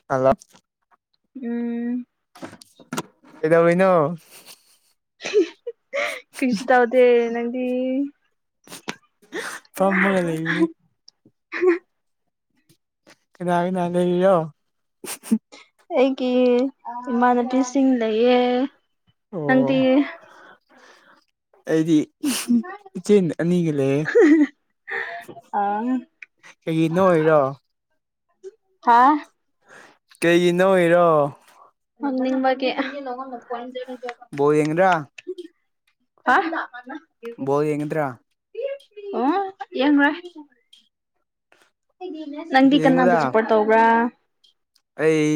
[unintelligible] ꯎꯝ ꯀꯩꯗꯧꯔꯤꯅꯣ ꯀꯔꯤꯁꯨ ꯇꯥꯎꯗꯦ ꯅꯪꯗꯤ ꯐꯝꯃꯒ ꯂꯩꯔꯤꯅꯦ [unintelligible] ꯀꯅ ꯀꯅ ꯂꯩꯔꯤꯅꯣ ꯑꯩꯒꯤ ꯏꯃꯥꯟꯅꯕꯤꯁꯤꯡ ꯂꯩꯌꯦ ꯑꯣ ꯅꯪꯗꯤ ꯑꯩꯗꯤ ꯏꯆꯟ ꯑꯅꯤꯒ ꯂꯩꯌꯦ ꯑꯥ ꯀꯩꯒꯤ ꯅꯣꯛꯏꯔꯣ ꯍꯥ ꯀꯩꯒꯤ ꯅꯣꯛꯏꯔꯣ ꯍꯪꯅꯤꯡꯕꯒꯤ [unintelligible] ꯕꯣꯜ ꯌꯦꯡꯉꯤꯔꯥ ꯍꯥ [unintelligible] ꯕꯣꯜ ꯌꯦꯡꯒꯗ꯭ꯔꯥ ꯑꯣ ꯌꯦꯡꯔꯣꯏ [unintelligible] ꯅꯪꯗꯤ ꯀꯅꯥꯕꯨ ꯌꯦꯡꯉꯨꯗ ꯁꯞꯄꯣꯔꯠ ꯇꯧꯕ꯭ꯔꯥ ꯑꯩ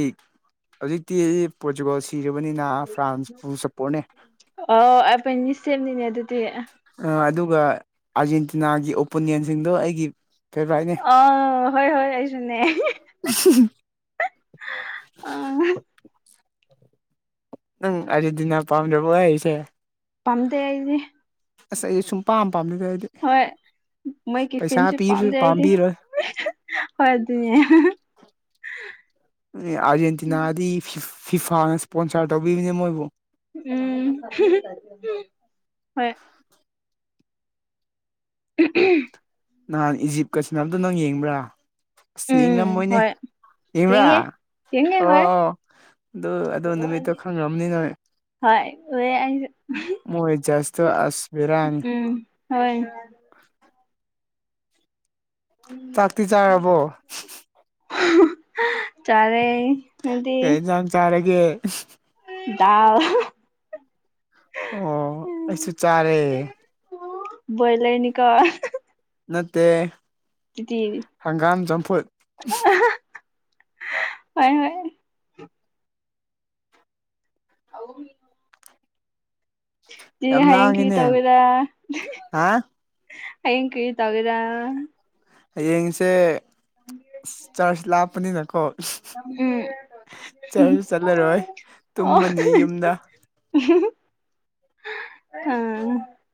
ꯍꯧꯖꯤꯛꯇꯤ ꯄꯣꯔꯇꯨꯒꯥꯜ ꯁꯤꯔꯕꯅꯤꯅ ꯐ꯭ꯔꯥꯟꯁꯄꯨ ꯁꯞꯄꯣꯔꯠꯅꯦ ꯑꯣ ꯑꯩꯕꯅꯤ ꯁꯦꯝꯅꯤꯅꯦ ꯑꯗꯨꯗꯤ ꯑ ꯑꯗꯨꯒ ꯑꯥꯔꯖꯦꯟꯇꯤꯅꯥꯒꯤ ꯑꯣꯄꯣꯅꯦꯟꯁꯤꯡꯗꯣ ꯑꯩꯒꯤ ꯐꯦꯚꯣꯔꯥꯏꯠꯅꯦ ꯑꯣ ꯍꯣꯏ ꯍꯣꯏ ꯑꯩꯁꯨꯅꯦ [unintelligible] ꯑ ꯅꯪ ꯑꯥꯔꯖꯦꯟꯇꯤꯅ ꯄꯥꯝꯗ꯭ꯔꯕꯣ ꯍꯥꯏꯔꯤꯁꯦ ꯄꯥꯝꯗꯦ ꯑꯩꯗꯤ ꯑꯁ ꯑꯩꯗꯤ ꯁꯨꯝ ꯄꯥꯝ ꯄꯥꯝꯗꯦꯗ ꯑꯩꯗꯤ ꯍꯣꯏ ꯃꯣꯏꯒꯤ ꯄꯩꯁꯥ ꯐꯦꯟꯁꯨ ꯄꯤꯔꯁꯨ ꯄꯥꯝꯗꯦ ꯑꯩꯗꯤ ꯄꯥꯝꯕꯤꯔꯣꯏ ꯍꯣꯏ ꯑꯗꯨꯅꯦ ꯑꯥꯔꯖꯦꯟꯇꯤꯅꯥꯗꯤ ꯐꯤ ꯐꯤꯐꯥꯅ ꯏꯁꯄꯣꯟꯁꯥꯔ ꯇꯧꯕꯤꯕꯅꯦ ꯃꯣꯏꯕꯨ ꯎꯝ ꯍꯣꯏ ꯎꯝ ꯎꯝ ꯅꯍꯥꯟ ꯏꯖꯤꯞꯀ ꯁꯥꯟꯅꯕꯗꯣ ꯅꯪ ꯌꯦꯡꯕ꯭ꯔꯥ ꯑꯁ ꯎꯝ ꯌꯦꯡꯉꯝꯃꯣꯏꯅꯦ ꯍꯣꯏ ꯌꯦꯡꯕ꯭ꯔꯥ ꯌꯦꯡꯉꯦ ꯌꯦꯡꯉꯦ ꯑꯣ ꯍꯣꯏ ꯑꯣ ꯑꯗꯨ ꯑꯗꯨ ꯅꯨꯃꯤꯠꯇꯣ ꯈꯪꯔꯝꯅꯤ ꯅꯣꯏ ꯍꯣꯏ ꯎꯌꯦ ꯑꯩꯁꯨ ꯃꯣꯏ ꯖꯁꯇꯨ ꯑꯁ ꯕꯦꯔꯥꯅꯤ ꯎꯝ ꯍꯣꯏ ꯆꯥꯛꯇꯤ ꯆꯥꯔꯕꯣ ꯆꯥꯔꯦ ꯅꯪꯗꯤ ꯀꯩ ꯏꯟꯖꯥꯡ ꯆꯥꯔꯒꯦ ꯗꯥꯜ ꯑꯣ ꯑꯩꯁꯨ ꯆꯥꯔꯦ ꯕꯣꯏꯂꯔꯅꯤ ꯀꯣ ꯅꯠꯇꯦ ꯍꯪꯒꯥꯝ ꯆꯝꯐꯨꯠ [unintelligible] ꯍꯣꯏ ꯍꯣꯏ ꯑꯥꯎ ꯌꯥꯝ ꯍꯌꯦꯡ ꯀꯔꯤ ꯂꯥꯡꯉꯤꯅꯦ ꯇꯧꯒꯦꯔ ꯍꯥ ꯍꯌꯦꯡ ꯀꯔꯤ ꯇꯧꯒꯦꯔꯥ ꯍꯌꯦꯡꯁꯦ ꯆꯥꯔꯖ ꯂꯥꯞꯄꯅꯤꯅꯀꯣ ꯎꯝ ꯆꯠꯁ ꯆꯠꯂꯔꯣꯏ ꯑꯣ ꯇꯨꯝꯃꯅꯤ ꯌꯨꯝꯗ [inaudible] ꯑꯥ [inaudible]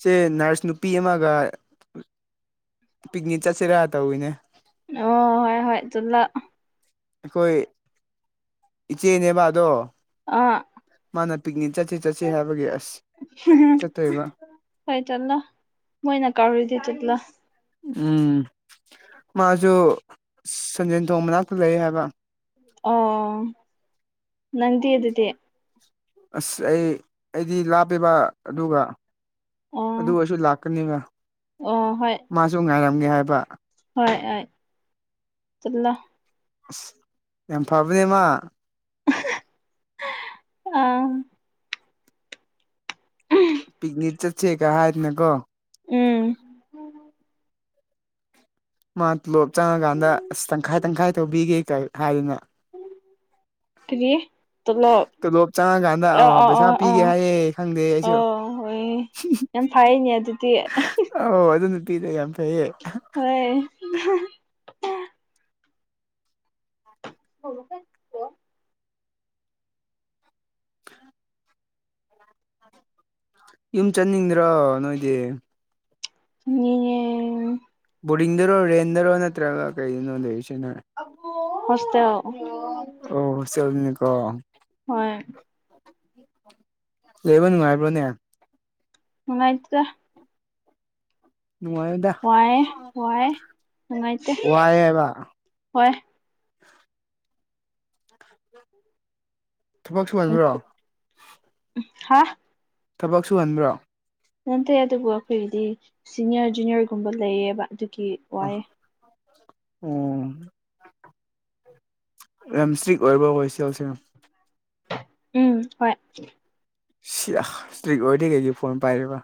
ꯆꯦ ꯅꯔꯁ ꯅꯨꯄꯤ ꯑꯃꯒ ꯄꯤꯛꯅꯤꯛ ꯆꯠꯁꯤꯔꯥ ꯇꯧꯋꯤꯅꯦ ꯑꯣ ꯍꯣꯏ ꯍꯣꯏ ꯆꯠꯂꯣ ꯑꯩꯈꯣꯏ ꯏꯆꯦꯅꯦꯕ ꯑꯗꯣ ꯑꯥ ꯃꯥꯅ ꯄꯤꯛꯅꯤꯛ ꯆꯠꯁꯤ ꯆꯠꯁꯤ ꯍꯥꯏꯕꯒꯤ ꯑꯁ ꯆꯠꯇꯣꯏꯕ ꯍꯥꯏ ꯆꯠꯂꯣ ꯃꯣꯏꯅ ꯀꯥꯥꯎꯔꯤꯗꯤ ꯆꯠꯂꯣ ꯎꯝ ꯃꯥꯁꯨ ꯁꯟꯖꯦꯟ ꯊꯣꯡ ꯃꯅꯥꯛꯇ ꯂꯩ ꯍꯥꯏꯕ ꯑꯣ ꯅꯪꯗꯤ ꯑꯗꯨꯗꯤ ꯑꯁ ꯑꯩ ꯑꯩꯗꯤ ꯂꯥꯞꯄꯦꯕ ꯑꯗꯨꯒ ꯑꯣ ꯑꯗꯨ ꯑꯣꯏꯁꯨ ꯂꯥꯛꯀꯅꯦꯕ ꯑꯣ ꯍꯣꯏ ꯃꯥꯁꯨ ꯉꯥꯏꯔꯝꯒꯦ ꯍꯥꯏꯕ ꯍꯣꯏ ꯍꯣꯏ ꯆꯠꯂꯣ ꯑꯁ ꯌꯥꯝ ꯐꯕꯅꯦ ꯃꯥ ꯑꯥ ꯄꯤꯛꯅꯤꯛ ꯆꯠꯁꯦꯒ ꯍꯥꯏꯗꯅꯀꯣ ꯎꯝ ꯃꯥ ꯇꯣꯂꯣꯞ ꯆꯪꯉꯀꯥꯟꯗ ꯑꯁ ꯇꯪꯈꯥꯏ ꯇꯪꯈꯥꯏ ꯇꯧꯕꯤꯒꯦ ꯀꯩ ꯍꯥꯏꯗꯅ ꯀꯔꯤ ꯇꯣꯂꯣꯞ ꯇꯣꯂꯣꯞ ꯆꯪꯉꯀꯥꯟꯗ ꯑ ꯑꯥ ꯄꯩꯁꯥ ꯑꯥ ꯄꯤꯒꯦ ꯑꯥ ꯍꯥꯏꯌꯦ ꯈꯪꯗꯦ ꯑꯩꯁꯨ ꯑꯣ ꯍꯣꯏ ꯌꯥꯝ ꯐꯩꯌꯦꯅꯦ ꯑꯗꯨꯗꯤ ꯑꯧ ꯑꯗꯨ ꯅꯨꯄꯤꯗꯣ ꯌꯥꯝ ꯐꯩꯌꯦ ꯍꯣꯏ [inaudible] ꯌꯨꯝ ꯆꯅꯤꯡꯗ꯭ꯔꯣ ꯅꯣꯏꯗꯤ ꯆꯠꯅꯤꯡꯉꯦ ꯕꯣꯔꯗꯤꯡꯗꯔꯣ ꯔꯦꯟꯗꯔꯣ ꯅꯠꯇ꯭ꯔꯒ ꯀꯩꯔꯤꯗꯅꯣ ꯂꯩꯔꯤꯁꯦ ꯅꯣꯏ ꯍꯣꯁꯇꯦꯜ ꯑꯣ ꯍꯣꯁꯇꯦꯜꯅꯦꯀꯣ ꯍꯣꯏ ꯂꯩꯕ ꯅꯨꯉꯥꯏꯕ꯭ꯔꯣꯅꯦ ꯅꯨꯡꯉꯥꯏꯇꯦꯗ ꯅꯨꯡꯉꯥꯏꯗ ꯋꯥꯏꯌꯦ ꯋꯥꯏꯌꯦ ꯅꯨꯡꯉꯥꯏꯇꯦ ꯋꯥꯏꯌꯦꯕ ꯋꯥꯏꯌꯦ ꯊꯕꯛ ꯁꯨꯨꯍꯟꯕ꯭ꯔꯣ ꯎꯝ ꯍꯥꯥ ꯊꯕꯛ ꯁꯨꯍꯟꯕ꯭ꯔꯣ ꯅꯠꯇꯦ ꯑꯗꯨꯕꯨ ꯑꯩꯈꯣꯏꯒꯤꯗꯤ ꯁꯤꯅꯤꯌꯔ ꯖꯨꯅꯤꯌꯔꯒꯨꯝꯕ ꯂꯩꯌꯦꯕ ꯑꯗꯨꯒꯤ ꯋꯥꯏꯌꯦ ꯑꯥꯍ ꯑꯣ ꯌꯥꯝ ꯁꯇ꯭ꯔꯤꯛ ꯑꯣꯏꯕ꯭ꯔꯥ ꯍꯣꯏꯁꯦꯜꯁꯦ ꯎꯝ ꯍꯣꯏ ꯁꯤꯌꯥ ꯏꯁꯇ꯭ꯔꯤꯛ ꯑꯣꯏꯔꯗꯤ ꯀꯩꯒꯤ ꯐꯣꯟ ꯄꯥꯏꯔꯤꯕ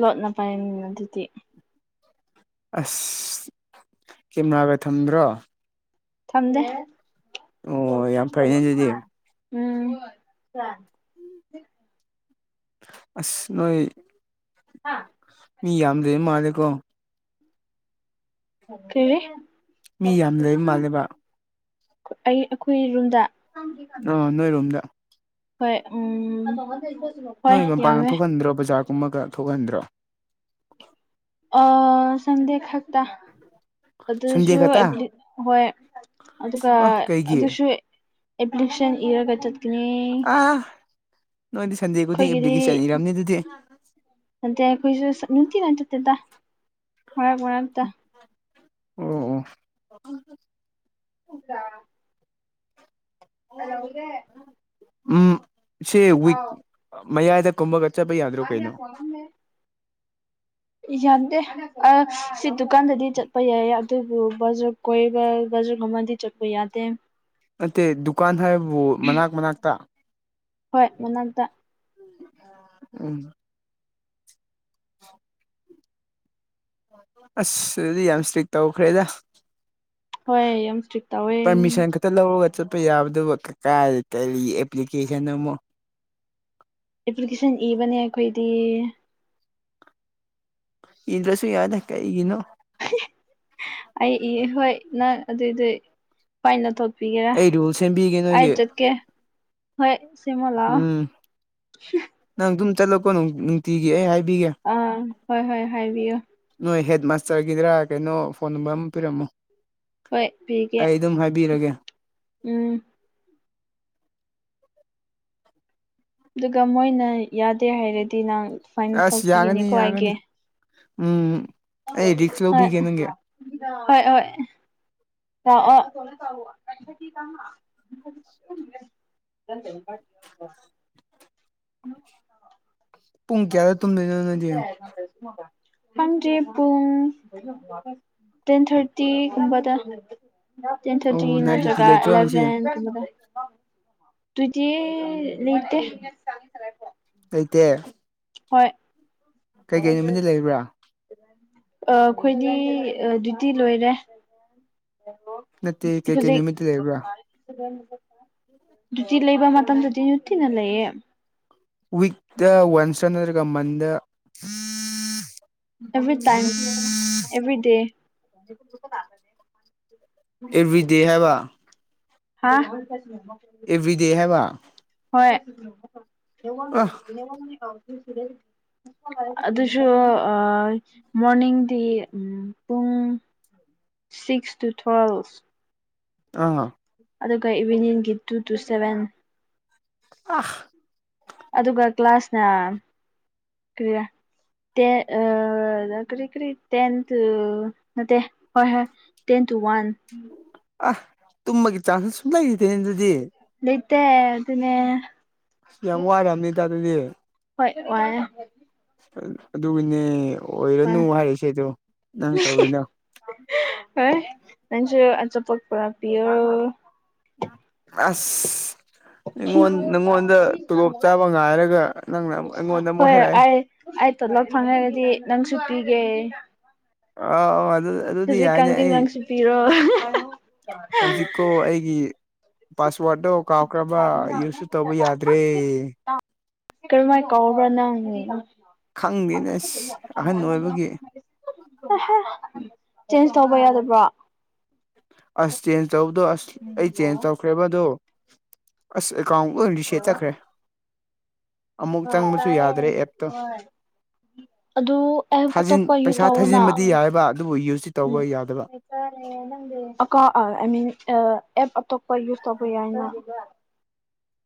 ꯂꯣꯠꯅ ꯄꯥꯏꯔꯤꯅꯤꯅ ꯑꯗꯨꯗꯤ ꯑꯁ ꯀꯦꯃꯦꯔꯥꯒ ꯊꯝꯗ꯭ꯔꯣ ꯊꯝꯗꯦ ꯑꯣ ꯌꯥꯝ ꯐꯩꯅꯦ [unintelligible] ꯑꯗꯨꯗꯤ ꯎꯝ ꯑꯁ ꯅꯣꯏ ꯍꯥ ꯃꯤ ꯌꯥꯝꯗꯦꯝ ꯃꯥꯜꯂꯦꯀꯣ ꯀꯦ ꯃꯤ ꯌꯥꯝ ꯂꯩ ꯃꯥꯜꯂꯦꯕ ꯑꯩ ꯑꯩꯈꯣꯏ ꯔꯨꯝꯗ ꯑꯣ ꯅꯣꯏꯔꯣꯝꯗ ꯍꯣꯏ ꯎꯝ ꯍꯣꯏ ꯅꯣꯏ ꯃꯄꯥꯟꯒ ꯌꯥꯝꯃꯦ ꯊꯣꯛꯍꯟꯗ꯭ꯔꯣ ꯕꯖꯥꯔꯒꯨꯝꯕꯒ ꯊꯣꯛꯍꯟꯗ꯭ꯔꯣ ꯑꯥ ꯁꯟꯗꯦ ꯈꯛꯇꯥ ꯁꯟꯗꯦ ꯑꯗꯨꯁꯨ ꯈꯛꯇ ꯑꯦꯄ꯭ꯂꯤ ꯍꯣꯏ ꯑꯗꯨꯒ ꯑ ꯀꯩꯒꯤ ꯑꯗꯨꯁꯨ__ ꯑꯦꯞꯄ꯭ꯂꯤꯁꯟ ꯏꯔꯒ ꯆꯠ__ ꯑꯥ ꯅꯣꯏꯗꯤ ꯁꯟꯗꯦ ꯈꯨꯗꯤꯡ ꯑꯦꯄ꯭ꯂꯤꯀꯦꯁꯟ ꯏꯔꯝꯅꯤ ꯑꯗꯨꯗꯤ ꯅꯠꯇꯦ ꯑꯩꯈꯣꯏꯁꯨ ꯁꯠ ꯅꯨꯡꯇꯤꯌꯥꯏ ꯆꯠꯇꯦꯗ ꯃꯔꯛ ꯃꯔꯛ ꯑꯣ ꯑꯣ ꯆꯥ ꯎꯝ ꯁꯤ ꯋꯤꯛ ꯃꯌꯥꯏꯗ ꯀꯨꯝꯕꯒ ꯆꯠꯄ ꯌꯥꯗ꯭ꯔꯣ ꯀꯩꯅꯣ ꯌꯥꯗꯦ ꯑꯥ ꯁꯤ ꯗꯨꯀꯥꯟꯗꯗꯤ ꯆꯠꯄ ꯌꯥꯏ ꯑꯗꯨꯕꯨ ꯕꯖꯥꯔ ꯀꯣꯏꯕ ꯕꯖꯥꯔꯒꯨꯝꯕꯟꯗꯤ ꯆꯠꯄ ꯌꯥꯗꯦ ꯅꯠꯇꯦ ꯗꯨꯀꯥꯟ ꯍꯥꯏꯕꯨ ꯃꯅꯥꯛ ꯃꯅꯥꯛꯇ ꯍꯣꯏ ꯃꯅꯥꯛꯇ ꯎꯝ ꯑꯁ ꯑꯗꯨꯗꯤ ꯌꯥꯝ ꯁ꯭ꯇ꯭ꯔꯤꯛ ꯇꯧꯈ꯭ꯔꯦꯗ ꯍꯣꯏ ꯌꯥꯝ ꯁ꯭ꯇ꯭ꯔꯤꯛ ꯇꯧꯋꯦꯝ ꯇ ꯂꯧꯔꯒ ꯆꯠꯄ ꯌꯥꯕꯗꯨꯕꯨ ꯀꯀꯥꯏ ꯀꯂꯤ ꯑꯦꯄ꯭ꯂꯤꯀꯦꯁꯟ ꯑꯃꯨꯛ ꯑꯦꯄ꯭ꯂꯤꯀꯦꯁꯟ ꯏꯕꯅꯦ ꯑꯩꯈꯣꯏꯗꯤ ꯏꯗ꯭ꯔꯁꯨ ꯌꯥꯏꯗ ꯀꯩꯒꯤꯅꯣ ꯑꯩ ꯏꯌꯦ ꯍꯣꯏ ꯅꯪ ꯑꯗꯨꯏꯗꯤ ꯄꯥꯏꯅꯊꯣꯛꯄꯤꯒꯦꯔꯥ ꯑꯩ ꯔꯨꯜ ꯁꯦꯝꯕꯤꯒꯦ ꯑꯩ ꯅꯣꯏꯒꯤ ꯆꯠꯀꯦ ꯍꯣꯏ ꯁꯦꯃꯣ ꯂꯥꯎ ꯎꯝ ꯅꯪ ꯑꯗꯨꯝ ꯆꯠꯂꯣꯀꯣ ꯅꯨꯡ ꯅꯨꯡꯇꯤꯒꯤ ꯑꯩ ꯍꯥꯏꯕꯤꯒꯦ ꯑꯥ ꯍꯣꯏ ꯍꯣꯏ ꯍꯥꯏꯕꯤꯌꯨ ꯅꯣꯏ ꯍꯦꯠ ꯃꯥꯁꯇꯔꯒꯤꯗꯔꯥ ꯀꯩꯅꯣ ꯐꯣꯟ ꯅꯝꯕꯔ ꯑꯝ ꯄꯤꯔꯝꯃꯣ ꯍꯣꯏ ꯄꯤꯒꯦ ꯑꯩ ꯑꯗꯨꯝ ꯍꯥꯏꯕꯤꯔꯒꯦ ꯎꯝ ꯑꯗꯨꯒ ꯃꯣꯏꯅ ꯌꯥꯗꯦ ꯍꯥꯏꯔꯗꯤ ꯅꯪ ꯐꯥꯏꯟ ꯑꯁ ꯌꯥꯒꯅꯤ ꯊꯣꯛꯄꯤꯒꯅꯤꯀꯣ ꯌꯥꯒꯅꯤ ꯑꯩꯒꯤ ꯎꯝ ꯑꯩ ꯔꯤꯛꯁ ꯍꯣꯏ ꯂꯧꯕꯤꯒꯦ ꯅꯪꯒꯤ ꯍꯣꯏ ꯍꯣꯏ ꯂꯥꯛꯑꯣ [unintelligible] [inaudible] ꯄꯨꯡ ꯀꯌꯥꯗ ꯇꯨꯝꯗꯣꯏꯅꯣ ꯅꯣꯏꯗꯤ [unintelligible] ꯈꯪꯗ꯭ꯔꯤ ꯄꯨꯡ ꯇꯦꯟ ꯊꯥꯔꯇꯤꯒꯨꯝꯕꯗ ꯇꯦꯟ ꯊꯥꯔꯇꯤ ꯑꯣ ꯅꯥꯏꯠ ꯗ꯭ꯌꯨꯇꯤ ꯅꯠꯇ꯭ꯔꯒ ꯂꯩꯇ꯭ꯔꯣ ꯉꯁꯤ ꯑꯦꯂꯚꯦꯟꯒꯨꯝꯕꯗ ꯇꯨꯗꯤ ꯂꯩꯇꯦ ꯂꯩꯇꯦ ꯍꯣꯏ ꯀꯩꯀꯩ ꯅꯨꯃꯤꯠꯇ ꯂꯩꯕ꯭ꯔꯥ ꯑꯥ ꯑꯈꯣꯏꯗꯤ ꯗ꯭ꯌꯨꯇꯤ ꯂꯣꯏꯔꯦ ꯅꯠꯇꯦ ꯀꯩꯀꯩ ꯍꯨꯖꯤꯛ ꯅꯨꯃꯤꯠꯇ ꯂꯩꯕ꯭ꯔꯥ ꯗ꯭ꯌꯨꯇꯤ ꯂꯩꯕ ꯃꯇꯝꯗꯗꯤ ꯅꯨꯇꯤꯅ ꯂꯩꯌꯦ ꯋꯤꯛꯇ ꯋꯥꯟꯁꯟ ꯅꯠꯇ꯭ꯔꯒ ꯃꯟꯗ ꯑꯦꯚ꯭ꯔꯤ ꯇꯥꯏꯝ ꯑꯦꯚ꯭ꯔꯤ ꯗꯦ [unintelligible] ꯑꯦꯚ꯭ꯔꯤ ꯗꯦ ꯍꯥꯏꯕ ꯍꯥ ꯑꯦꯕ꯭ꯔꯤꯗꯦ ꯍꯥꯏꯕ ꯍꯣꯏ ꯑ ꯑꯗꯨꯁꯨ ꯑꯥ ꯃꯣꯔꯅꯤꯡꯗꯤ ꯎꯝ ꯄꯨꯡ ꯁꯤꯛꯁ ꯇꯨ ꯇꯨꯋꯦꯜꯐ ꯑꯥ ꯑꯗꯨꯒ ꯏꯚꯤꯅꯤꯡꯒꯤ ꯇꯨ ꯇꯨ ꯁꯚꯦꯟ ꯑꯁ ꯑꯗꯨꯒ ꯀ꯭ꯂꯥꯁꯅ ꯀ꯭ꯔꯤꯔ ꯇꯦ ꯑꯥ ꯀ꯭ꯔꯤ ꯀ꯭ꯔꯤ ꯇꯦꯟ ꯇꯨ ꯅꯠꯇꯦ ꯍꯣꯏ ꯍꯣꯏ ꯇꯦꯟ ꯇꯨ ꯋꯥꯟ ꯑꯥ ꯇꯨꯝꯕꯒꯤ ꯆꯥꯟꯁꯁꯨ ꯁꯨꯡꯂꯩ ꯂꯩꯇꯦꯅꯦ ꯑꯗꯨꯗꯤ ꯂꯩꯇꯦ ꯑꯗꯨꯅꯦ ꯑꯁ ꯌꯥꯝ ꯋꯥꯔꯝꯅꯤꯗ ꯑꯗꯨꯗꯤ ꯍꯣꯏ ꯋꯥꯏꯌꯦ ꯑꯥ ꯑꯗꯨꯒꯤꯅꯦ ꯑꯣꯏꯔꯅꯨ ꯍꯥꯏꯔꯤꯁꯦ ꯑꯗꯣ ꯅꯪ ꯇꯧꯔꯤꯗꯣ ꯍꯣꯢ ꯅꯪꯖꯨ ꯑꯆꯥꯄꯣꯠ ꯄꯣꯔꯛꯄꯤꯌꯣ ꯑꯁ ꯑꯩꯉꯣꯟ ꯅꯪꯉꯣꯟꯗ ꯇꯣꯂꯣꯞ ꯆꯥꯕ ꯉꯥꯏꯔꯒ ꯅꯪꯅ ꯑꯃꯨꯛ ꯑꯩꯉꯣꯟꯗ ꯑꯃꯨꯛ ꯍꯣꯏ ꯍꯥꯏꯔꯛꯑꯦ ꯑꯩ ꯑꯩ ꯇꯣꯂꯣꯞ ꯐꯪꯉꯔꯗꯤ ꯅꯪꯁꯨꯨ ꯄꯤꯒꯦ ꯑꯥ ꯑꯥꯎ ꯑꯗꯨꯗ ꯍꯧꯖꯤꯛ ꯀꯥꯟꯗꯤ ꯅꯪꯁꯨ ꯄꯤꯔꯣ ꯍꯧꯖꯤꯛꯀꯣ ꯑꯩꯒꯤ ꯄꯥꯁꯋꯥꯗꯇꯣ ꯀꯥꯎꯈ꯭ꯔꯕ ꯌꯨꯁꯁꯨ ꯇꯧꯕ ꯌꯥꯗ꯭ꯔꯦ ꯀꯔꯝꯃꯥꯢ ꯀꯥꯎꯕ꯭ꯔꯥ ꯅꯪ ꯈꯪꯗꯦꯅꯦ ꯑꯁ ꯑꯍꯟ ꯑꯣꯏꯕꯒꯤ ꯆꯦꯟꯖ ꯇꯧꯕ ꯌꯥꯗꯕ꯭ꯔꯣ ꯑꯁ ꯆꯦꯟꯖ ꯇꯧꯕꯗꯣ ꯑꯁ ꯑꯩ ꯆꯦꯟꯖ ꯇꯧꯈ꯭ꯔꯦꯕ ꯑꯗꯨ ꯑꯁ ꯑꯦꯀꯥꯎꯟ ꯂꯣꯢ ꯔꯤꯁꯦꯠ ꯆꯠꯈ꯭ꯔꯦ꯫ ꯑꯃꯨꯛ ꯆꯪꯕꯁꯨ ꯌꯥꯗ꯭ꯔꯦ ꯑꯦꯞꯇꯣ꯫ ꯑꯗꯨ ꯑꯦꯞ ꯊꯥꯖꯤꯟ ꯑꯇꯣꯞꯄ ꯌꯨꯁ ꯄꯩꯁꯥ ꯇꯧꯑꯣꯅ ꯊꯥꯖꯤꯟꯕꯗꯤ ꯌꯥꯏꯕ ꯑꯗꯨꯕꯨ ꯌꯨꯁꯇꯤ ꯇꯧꯕ ꯌꯥꯗꯕ꯫ ꯕꯦꯔꯥꯅꯤꯅꯦ ꯅꯪꯗꯨ ꯑꯀꯥꯎ ꯑꯥꯏ ꯃꯤꯟ ꯑꯥ ꯑꯦꯞ ꯑꯇꯣꯞꯄ ꯌꯨꯁ ꯇꯧꯕ ꯌꯥꯏꯅꯥ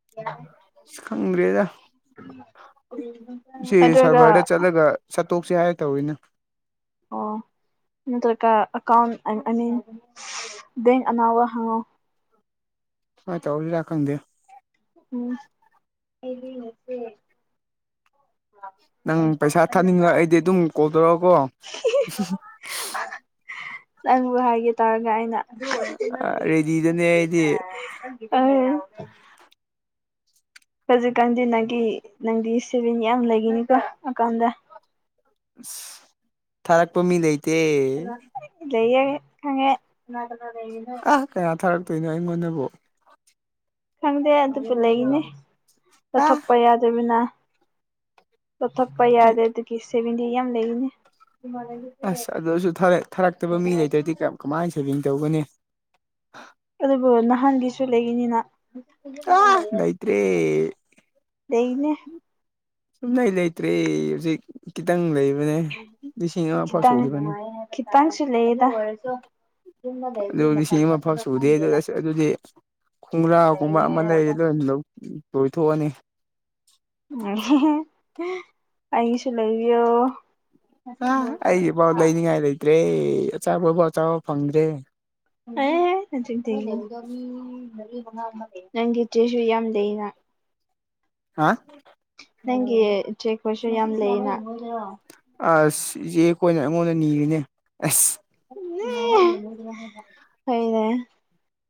[unintelligible] ꯈꯪꯗ꯭ꯔꯤꯗ ꯁꯤ ꯑꯗꯨꯒ ꯁꯩꯕꯔꯗ ꯆꯠꯂꯒ ꯁꯠꯇꯣꯛꯁꯦ ꯍꯥꯏꯔ ꯇꯧꯔꯤꯅꯤ ꯑꯣ ꯅꯠꯇ꯭ꯔꯒ ꯑꯦꯀꯥꯎꯟ ꯑꯥꯏ ꯑꯥꯏ ꯃꯤꯟ ꯕꯦꯡ ꯑꯅꯧꯕ ꯍꯥꯡꯉꯣ꯫ ꯃꯥꯏ ꯇꯧꯁꯤꯔꯥ ꯈꯪꯗꯦ ꯎꯝ ꯑꯩꯗꯤ [unintelligible] ꯅꯪ ꯄꯩꯁꯥ ꯊꯥꯅꯤꯡꯔ ꯑꯩꯗꯤ ꯑꯗꯨꯝ ꯀꯣꯜ ꯇꯧꯔꯣꯀꯣ ꯅꯪꯕꯨ ꯍꯥꯏꯒꯦ ꯇꯧꯔꯒ ꯑꯩꯅ ꯔꯦꯗꯤꯗꯅꯦ ꯑꯩꯗꯤ [unintelligible] ꯑꯣꯢ ꯍꯖꯤꯛꯀꯥꯟꯗꯤ ꯅꯪꯒꯤ ꯅꯪꯗꯤ ꯁꯦꯚꯤꯡ ꯌꯥꯝ ꯂꯩꯒꯤꯅꯤꯀꯣ ꯑꯀꯥꯎꯟꯗ꯫ ꯑꯁ ꯊꯥꯔꯛꯄ ꯃꯤ ꯂꯩꯇꯦ ꯂꯩꯌꯦ ꯈꯪꯉꯦ ꯀꯅꯥ ꯀꯅꯥ ꯂꯩꯔꯤꯅꯣ ꯑꯥ ꯀꯅꯥ ꯊꯥꯔꯛꯇꯣꯏꯅꯣ ꯑꯩꯉꯣꯟꯗꯕꯨ ꯈꯪꯗꯦ ꯑꯗꯨꯕꯨ ꯂꯩꯒꯅꯤ ꯑꯥ ꯇꯊꯣꯛꯄ ꯌꯥꯗꯕꯅ ꯇꯊꯣꯛꯄ ꯌꯥꯗꯕꯒꯤ ꯁꯦꯚꯤꯡꯗꯤ ꯌꯥꯝ ꯂꯩꯔꯤꯅꯤ ꯑꯁ ꯑꯗꯨꯖꯨ ꯊꯥꯔꯛ ꯊꯥꯔꯛꯇꯕ ꯃꯤ ꯂꯩꯇ꯭ꯔꯗꯤ ꯀꯃꯥꯏ ꯁꯦꯚꯤꯡ ꯇꯧꯒꯅꯤ ꯑꯗꯨꯕꯨ ꯅꯍꯥꯟꯒꯤꯁꯨ ꯂꯩꯒꯅꯤꯅꯥ ꯑꯥ ꯂꯩꯇꯦ ꯂꯩꯅꯦ ꯁꯨꯡꯂꯩ ꯂꯩꯇ꯭ꯔꯦ ꯍꯨꯖꯤꯛ ꯈꯤꯇꯪ ꯂꯩꯕꯅꯦ ꯂꯤꯁꯤꯡ ꯑꯃꯐꯥꯎ ꯈꯤꯇꯪ ꯁꯨꯗ꯭ꯔꯤꯕꯅꯤ꯫ ꯈꯤꯇꯪꯁꯨ ꯂꯩꯗ ꯑꯗꯨ ꯑꯣꯏꯔꯖꯨ ꯑꯗꯨ ꯂꯤꯁꯤꯡ ꯑꯃꯐꯥꯎ ꯁꯨꯗꯦ ꯑꯗꯨꯒ ꯑꯁ ꯑꯗꯨꯗꯤ ꯈꯣꯡꯒ꯭ꯔꯥꯎꯒꯨꯝꯕ ꯑꯃ ꯂꯩꯔꯗꯨ ꯂꯧ ꯂꯣꯏꯊꯣꯛꯑꯅꯤ ꯑꯩꯒꯤꯁꯨ ꯂꯩꯕꯤꯌꯣ ꯄꯥ ꯑꯩꯒꯤꯐꯥꯎ ꯂꯩꯅꯤꯡꯉꯥꯏ ꯂꯩꯇ꯭ꯔꯦ ꯑꯆꯥꯄꯣꯠꯐꯥꯎ ꯆꯥꯥꯕ ꯐꯪꯗ꯭ꯔꯦ꯫ ꯑꯦ ꯑꯗꯨꯗꯤ ꯂꯩꯔꯤꯗꯣ ꯃꯤ ꯃꯔꯤ ꯃꯉꯥꯒꯨꯝꯕ ꯂꯩ ꯅꯪꯒꯤ ꯗ꯭ꯔꯦꯁꯨ ꯌꯥꯝ ꯂꯩꯅ ꯍꯥ ꯅꯪꯒꯤ ꯆꯦꯛꯄꯁꯨ ꯌꯥꯝ ꯂꯩꯅ ꯑꯁ ꯏꯆꯦ ꯈꯣꯏꯅ ꯑꯩꯉꯣꯟꯗ ꯅꯤꯔꯤꯅꯦ ꯑꯁ [unintelligible] ꯍꯣꯏꯅꯦ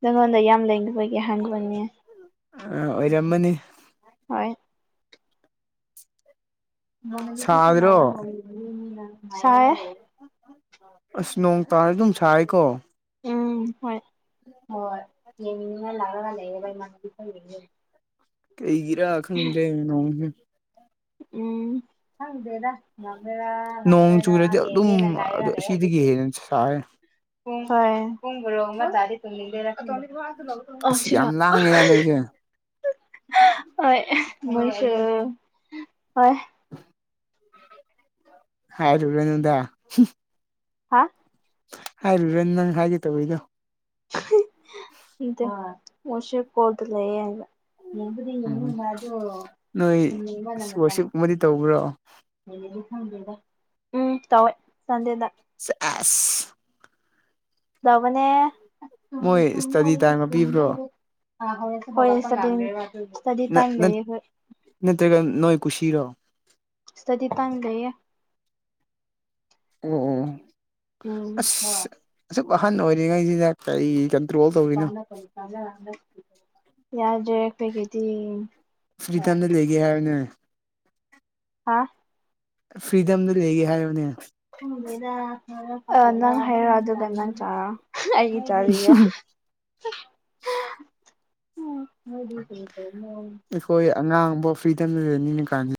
ꯅꯉꯣꯟꯗ ꯌꯥꯝ ꯂꯩꯒꯤꯕꯒꯤ ꯍꯥꯏꯕꯤꯕꯅꯦ꯫ ꯑ ꯑꯣꯏꯔꯝꯃꯅꯤ ꯍꯣꯏ ꯁꯥꯗ꯭ꯔꯣ [unintelligible] ꯁꯥꯏꯌꯦ ꯑꯁ ꯅꯣꯡ ꯇꯥꯔ ꯗꯨꯝ ꯁꯥꯏꯀꯣ ꯎꯝ ꯍꯣꯏ ꯍꯣꯏ ꯌꯦꯡꯅꯤꯡꯉ ꯂꯥꯛꯔꯒ ꯂꯩꯌꯦꯕ ꯏꯃꯥꯟꯅꯕꯤ ꯈꯣꯏꯒꯤꯗꯤ ꯀꯩꯒꯤꯔ ꯈꯪꯗꯦ ꯅꯣꯡꯖꯦ ꯎꯝ ꯈꯪꯗꯦꯗ ꯂꯥꯛꯂꯔ ꯅꯣꯡ ꯆꯨꯔꯗꯤ ꯑꯗꯨꯝ ꯑꯗꯣ ꯁꯤꯗꯒꯤ ꯍꯦꯟꯅ ꯁꯥꯏ꯫ ꯄꯨꯡ ꯍꯣꯏ ꯄꯨꯡ ꯍꯣꯏꯔꯣꯡꯗ ꯇꯥꯒꯦ ꯇꯧꯅꯤꯡꯒꯦꯔ [unintelligible] ꯑꯣ ꯑꯁ ꯁꯤꯔꯣ ꯌꯥꯝ ꯍ ꯍ ꯂꯥꯡꯉꯦꯗ ꯅꯣꯏꯁꯦ ꯍ ꯍꯣꯏ ꯃꯣꯏꯁꯨ ꯍꯣꯏ [inaudible] ꯍꯥꯥꯏꯔꯨꯔꯅꯨꯗꯥ ꯍ ꯍꯥ ꯍꯥꯏꯔꯨꯔ ꯅꯪ ꯍꯥꯏꯒꯦ ꯇꯧꯌꯦ ꯗꯣ [unintelligible] ꯍꯝ ꯏꯗꯨ ꯋꯥꯁꯆꯦꯞ ꯀꯣꯜꯗ ꯂꯩꯌꯦ ꯍꯥꯏꯕ [unintelligible] [unintelligible] ꯎꯝ ꯈꯪꯗꯦꯗ ꯅꯣꯏ ꯑꯁ ꯋꯥꯔꯁꯤꯞꯀꯨꯝꯕꯗꯤ ꯇꯧꯕ꯭ꯔꯣ ꯎꯝ ꯇꯋꯦ ꯁꯟꯗꯦꯗ ꯆꯦ ꯑꯁ ꯖꯕꯅꯦ ꯃꯣꯏ ꯏꯁꯇꯗꯤ ꯇꯥꯏꯝꯒ ꯄꯤꯕ꯭ꯔꯣ [unintelligible] [unintelligible] ꯈꯣꯏ ꯁꯚꯦꯟꯅꯦ ꯅ ꯅꯠ ꯅꯠꯇ꯭ꯔꯒ ꯅꯣꯏ ꯀꯨꯁꯤꯔꯣ ꯁ꯭ꯇꯗꯤ ꯇꯥꯝ ꯂꯩꯌꯦ ꯑꯣ ꯑꯣ ꯎꯝ ꯑꯁ ꯑꯖꯨꯛ ꯑꯍꯟ ꯑꯣꯏꯔꯤꯉꯩꯖꯤꯗ ꯀꯔꯤꯒꯤ ꯀꯟꯇ꯭ꯔꯣꯜ ꯇꯧꯔꯤꯅꯣ [unintelligible] ꯌꯥꯗ꯭ꯔꯦ ꯀꯩꯒꯤꯗꯤ ꯍꯣꯏ ꯌꯥꯔꯅ ꯍꯥꯥ ꯐ꯭ꯔꯤꯗꯝꯗ ꯂꯩꯒꯦ ꯍꯥꯏꯔꯣꯅꯦ ꯈꯪꯗꯦꯗꯥ ꯑꯦ ꯅꯪ ꯍꯥꯏꯔ ꯑꯗꯨꯒ ꯅꯪ ꯆꯥꯔꯣ ꯍ ꯑꯩꯒꯤ ꯆꯥꯕꯤꯌꯣ ꯍ ꯃꯣꯏꯗꯤ ꯀꯔꯤ ꯇꯧꯕꯅꯣ ꯑꯩꯈꯣꯏ ꯑꯉꯥꯡꯕꯣꯛ ꯐ꯭ꯔꯤꯗꯝꯗ ꯂꯩꯅꯤꯡꯉꯤ ꯀꯥꯟꯖꯤ